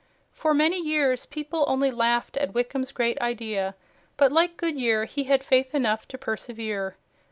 For many years people only laughed at Wickham's great idea, but like Goodyear he had faith enough to persevere.